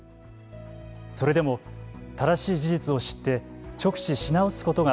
それでも正しい事実を知って直視し直すことが